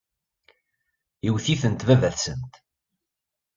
Iwet-itent baba-tsent.